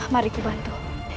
mari ku bantu